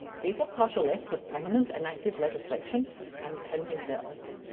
These are partial lists of prominent enacted legislation and pending bills.